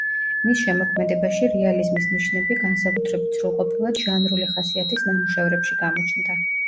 მის შემოქმედებაში რეალიზმის ნიშნები განსაკუთრებით სრულყოფილად ჟანრული ხასიათის ნამუშევრებში გამოჩნდა.